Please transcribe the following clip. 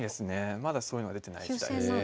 まだそういうのは出てない時代ですね。